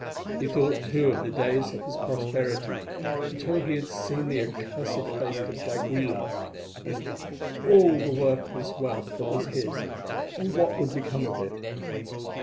He thought, too, of the days of his prosperity until he had seen the accursed face of d'Aguilar, and of all the worthless wealth that was his, and what would become of it.